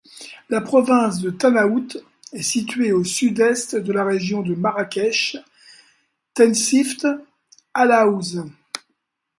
La province de Tahnaout est située au sud-est de la région de Marrakech-Tensift-Al Haouz.